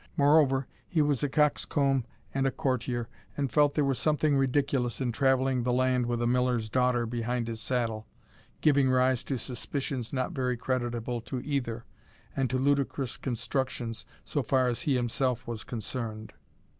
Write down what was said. Moreover, he was a coxcomb and a courtier, and felt there was something ridiculous in travelling the land with a miller's daughter behind his saddle, giving rise to suspicions not very creditable to either, and to ludicrous constructions, so far as he himself was concerned.